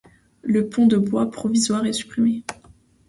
Le pont de bois provisoire est supprimé.